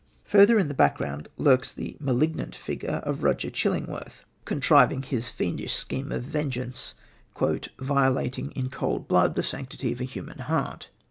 Further in the background lurks the malignant figure of Roger Chillingworth, contriving his fiendish scheme of vengeance, "violating in cold blood the sanctity of a human heart."